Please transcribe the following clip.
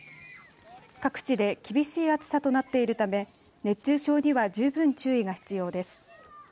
各地で厳しい暑さとなっているため熱中症には十分注意が必要です。